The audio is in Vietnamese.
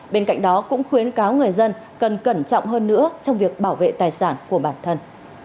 bên cạnh đó cũng khuyến cáo người dân cần cẩn trọng hơn nữa trong việc bảo vệ tài sản của bản thân